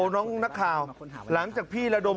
น้องนักข่าวหลังจากพี่ระดม